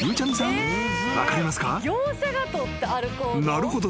［「なるほど。